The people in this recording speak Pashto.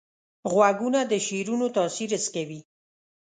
غوږونه د شعرونو تاثیر حس کوي